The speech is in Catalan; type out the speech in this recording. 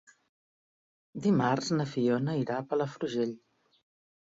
Dimarts na Fiona irà a Palafrugell.